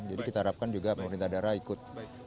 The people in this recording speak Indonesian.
jadi kita harapkan juga pemerintah daerah ikut